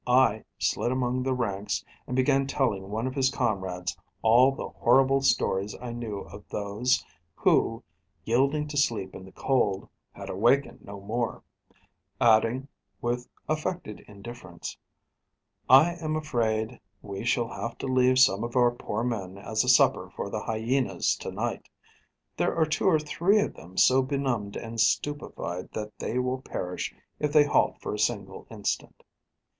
I slid among the ranks, and began telling one of his comrades all the horrible stories I knew of those who, yielding to sleep in the cold, had awaked no more; adding, with affected indifference: 'I am afraid we shall have to leave some of our poor men as a supper for the hyenas to night. There are two or three of them so benumbed and stupified, that they will perish if they halt for a single instant.'